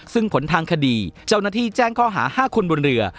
ซึ่งผลทางคดีเจ้าหน้าที่แจ้งข้อหา๕คนบนเรือ